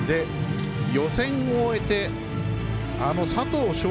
予選を終えて、佐藤翔